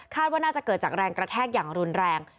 ว่าน่าจะเกิดจากแรงกระแทกอย่างรุนแรง